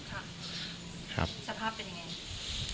สภาพเป็นยังไง